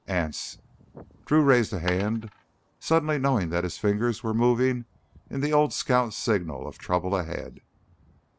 "Anse!" Drew raised a hand, suddenly knowing that his fingers were moving in the old scout signal of trouble ahead.